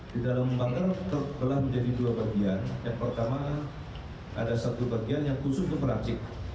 di dalam bungger telah menjadi dua bagian yang pertama ada satu bagian yang khusus ke perancis